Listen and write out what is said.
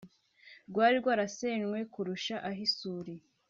rwari rwarasenywe kurusha ah’isuri